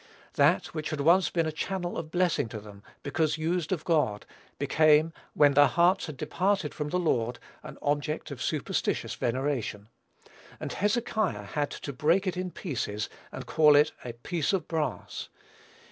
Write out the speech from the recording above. That, which had once been a channel of blessing to them, because used of God, became, when their hearts had departed from the Lord, an object of superstitious veneration; and Hezekiah had to break it in pieces, and call it "a piece of brass."